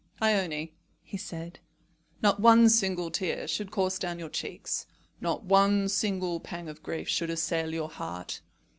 "Ione," he said, "not one single tear should course down your cheeks, not one single pang of grief should assail your heart.